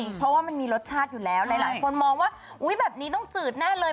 เพราะว่ามันมีรสชาติอยู่แล้วหลายคนมองว่าอุ๊ยแบบนี้ต้องจืดแน่เลย